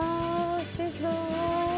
失礼します。